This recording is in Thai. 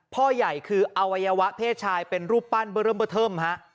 พ่อใหญ่คืออวัยวะเพศชายเป็นรูปปั้นเบอร์เริ่มเบอร์เทิมฮะ